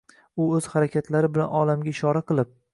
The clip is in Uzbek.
u o‘z harakatlari bilan olamga ishora qilib